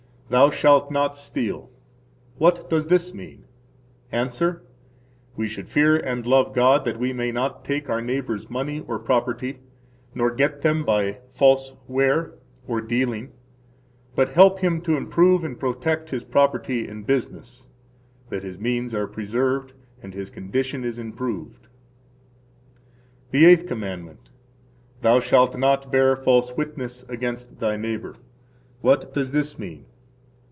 Thou shalt not steal. What does this mean? –Answer: We should fear and love God that we may not take our neighbor's money or property, nor get them by false ware or dealing, but help him to improve and protect his property and business [that his means are preserved and his condition is improved]. The Eighth Commandment. Thou shalt not bear false witness against thy neighbor. What does this mean?